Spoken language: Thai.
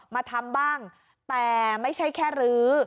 มาทำบ้างแต่ไม่ใช่แค่รื้อ